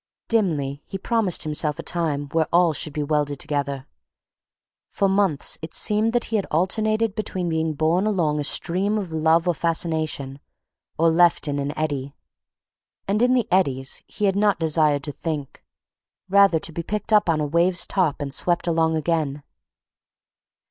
Dimly he promised himself a time where all should be welded together. For months it seemed that he had alternated between being borne along a stream of love or fascination, or left in an eddy, and in the eddies he had not desired to think, rather to be picked up on a wave's top and swept along again.